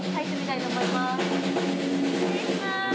失礼します。